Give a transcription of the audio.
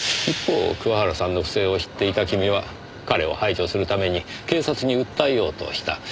一方桑原さんの不正を知っていた君は彼を排除するために警察に訴えようとした。